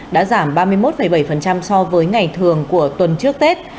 đã giảm ba mươi một bảy so với ngày thường của tuần trước tết